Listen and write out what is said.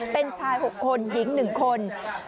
เป็นชาย๖คนหญิง๑คน